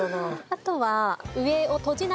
あとは。